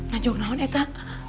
naja nauan itu